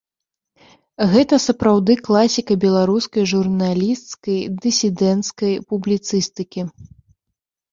Гэта сапраўды класіка беларускай журналісцкай, дысідэнцкай публіцыстыкі.